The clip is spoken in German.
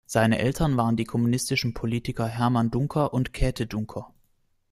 Seine Eltern waren die kommunistischen Politiker Hermann Duncker und Käte Duncker.